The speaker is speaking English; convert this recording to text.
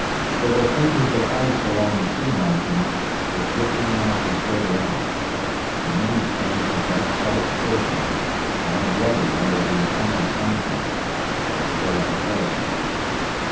There were fringes of ice along the sea margin, with drifting masses farther out; but the main expanse of that salt ocean, all bloody under the eternal sunset, was still unfrozen.